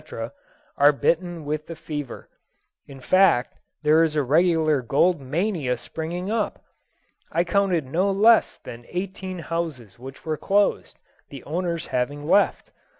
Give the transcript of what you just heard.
are bitten with the fever; in fact, there is a regular gold mania springing up. I counted no less than eighteen houses which were closed, the owners having left.